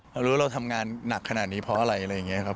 เรารู้ว่าเราทำงานหนักขนาดนี้เพราะอะไรอะไรอย่างนี้ครับ